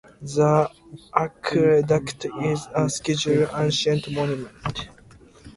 The aqueduct is a scheduled ancient monument.